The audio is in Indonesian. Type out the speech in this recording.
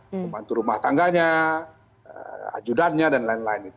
pembantu rumah tangganya ajudannya dan lain lain